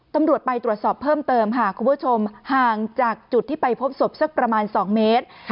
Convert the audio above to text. ตำรวจไปตรวจสอบเพิ่มเติมค่ะคุณผู้ชมห่างจากจุดที่ไปพบศพสักประมาณ๒เมตร